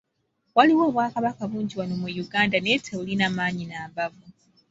Waliwo Obwakabaka bungi wano mu Uganda naye tebulina maanyi na mbavu.